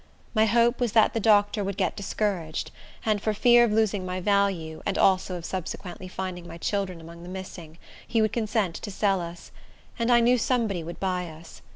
My hope was that the doctor would get discouraged, and, for fear of losing my value, and also of subsequently finding my children among the missing, he would consent to sell us; and I knew somebody would buy us.